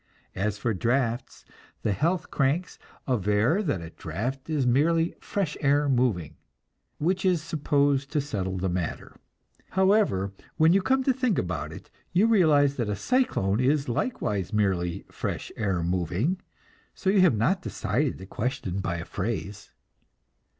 As for drafts, the "health cranks" aver that a draft is merely "fresh air moving"; which is supposed to settle the matter. However, when you come to think about it, you realize that a cyclone is likewise merely "fresh air moving," so you have not decided the question by a phrase.